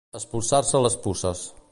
Espolsar-se les puces.